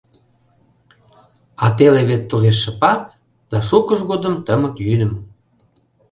А теле вет толеш шыпак, Да шукыж годым тымык йӱдым.